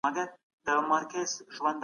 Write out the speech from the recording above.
سرمايه داري نظام فردي ملکيت ته اجازه ورکوي.